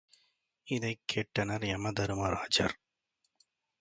இதைக் கேட்டனர் யமதருமராஜர்.